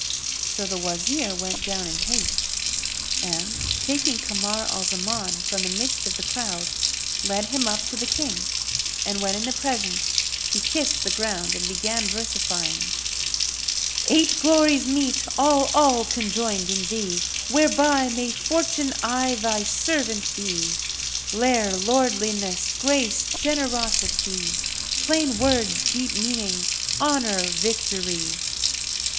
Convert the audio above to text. So the Wazir, went down in haste, and taking Kamar al Zaman from the midst of the crowd led him up to the King; and when in the presence he kissed the ground and began versifying, "Eight glories meet, all, all conjoined in thee, * Whereby may Fortune aye thy servant be: Lere, lordliness, grace, generosity; * Plain words, deep meaning, honour, victory!"